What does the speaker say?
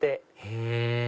へぇ！